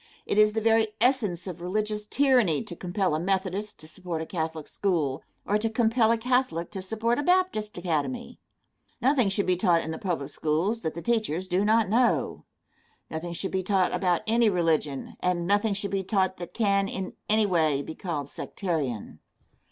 It is the very essence of religious tyranny to compel a Methodist to support a Catholic school, or to compel a Catholic to support a Baptist academy. Nothing should be taught in the public schools that the teachers do not know. Nothing should be taught about any religion, and nothing should be taught that can, in any way, be called sectarian.